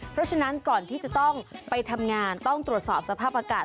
เพราะฉะนั้นก่อนที่จะต้องไปทำงานต้องตรวจสอบสภาพอากาศ